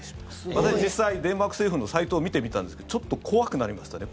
私、実際デンマーク政府のサイトを見てみたんですけどちょっと怖くなりましたね。